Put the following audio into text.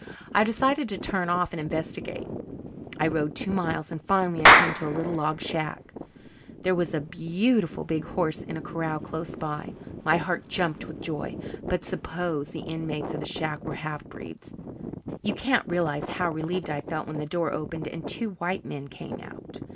I decided to turn off and investigate. I rode two miles and finally I came to a little log shack. There was a bee yew tiful big horse in a corral close by. My heart jumped with joy. But suppose the inmates of the shack were half breeds! You can't realize how relieved I felt when the door opened and two white men came out.